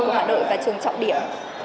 của hạ đội và trường trọng điểm